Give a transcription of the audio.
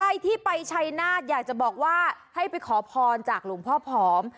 ใครที่ไปชัยนาฏอยากจะบอกว่าให้ไปขอพรจากหลวงพ่อผอม